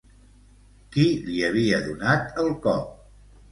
Qui li havia donat el cop?